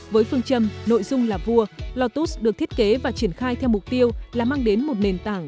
với phương châm nội dung là vua lotus được thiết kế và triển khai theo mục tiêu là mang đến một nền tảng